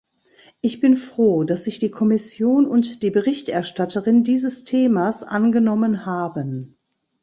Ich bin froh, dass sich die Kommission und die Berichterstatterin dieses Themas angenommen haben.